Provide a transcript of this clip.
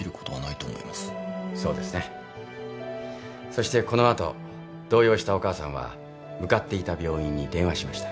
そしてこの後動揺したお母さんは向かっていた病院に電話しました。